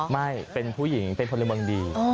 ไม่เป็นผู้หญิงเป็นพลเมืองดี